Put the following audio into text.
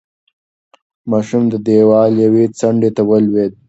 ماشوم د دېوال یوې څنډې ته ولوېد.